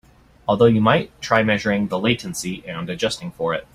Although you might try measuring the latency and adjusting for it.